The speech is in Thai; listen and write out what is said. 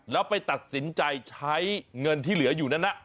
แล้วไปตัดสินใจใช้เงินที่เหลืออยู่นั้น